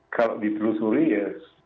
kalau dipelusuri ya